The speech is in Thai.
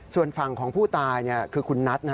ส่วนฝั่งของผู้ตายคือคุณนัท